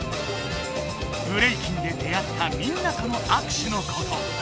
ブレイキンで出会ったみんなとのあくしゅのこと。